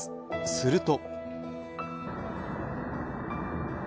すると。